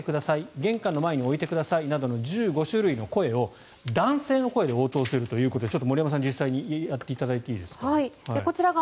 「玄関の前に置いといてください」などの１５種類の声を男性の声で応答するということで森山さん実際にやっていただいていいですか。